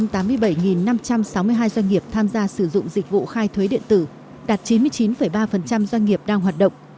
tổng cục thuế bộ tài chính là năm trăm sáu mươi hai doanh nghiệp tham gia sử dụng dịch vụ khai thuế điện tử đạt chín mươi chín ba doanh nghiệp đang hoạt động